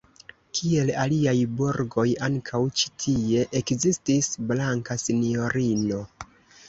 Kiel aliaj burgoj, ankaŭ ĉi tie ekzistis blanka sinjorino.